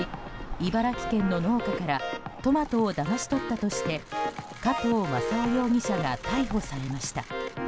茨城県の農家からトマトをだまし取ったとして加藤正夫容疑者が逮捕されました。